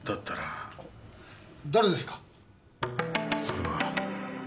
それは。